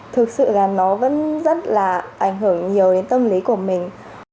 thực sự là nó vẫn rất là ảnh hưởng nhiều đến tâm lý của mình